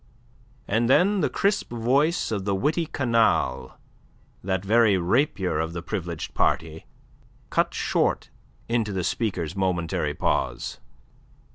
And then the crisp voice of the witty Canales, that very rapier of the Privileged party, cut sharply into the speaker's momentary pause.